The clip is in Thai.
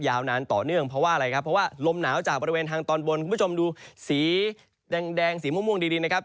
ยาวนานต่อเนื่องเพราะว่าอะไรครับเพราะว่าลมหนาวจากบริเวณทางตอนบนคุณผู้ชมดูสีแดงสีม่วงดีนะครับ